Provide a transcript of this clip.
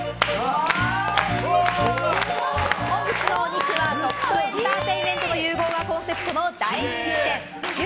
本日のお肉は食とエンターテインメントの融合がコンセプトの大人気店牛